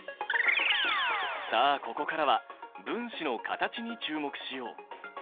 さあここからは分子の形に注目しよう！